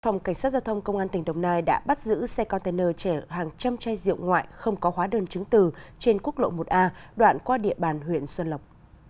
phòng cảnh sát giao thông công an tỉnh đồng nai đã bắt giữ xe container trẻ hàng trăm chai rượu ngoại không có hóa đơn chứng từ trên quốc lộ một a đoạn qua địa bàn huyện xuân lộc